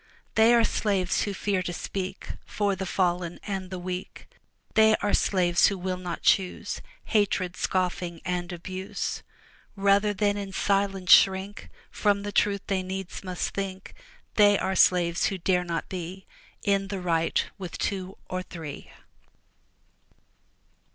They are slaves who fear to speak For the fallen and the weak; They are slaves who will not choose Hatred, scoffing, and abuse, Rather than in silence shrink From the truth they needs must think; They are slaves who dare not be In the right with two or three.